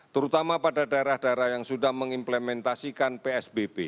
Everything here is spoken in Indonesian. terutama pada daerah daerah yang sudah mengimplementasikan psbb